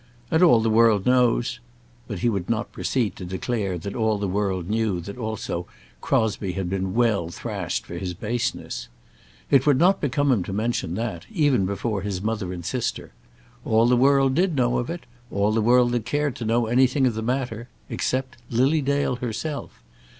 "And all the world knows " But he would not proceed to declare that all the world knew also that Crosbie had been well thrashed for his baseness. It would not become him to mention that even before his mother and sister. All the world did know it; all the world that cared to know anything of the matter; except Lily Dale herself.